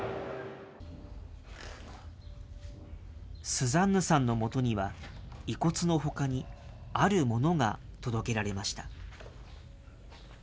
スザンヌさんのもとには、遺骨のほかにあるものが届けられました。